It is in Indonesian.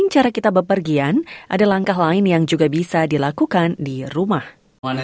lakukan apa saja yang bisa anda lakukan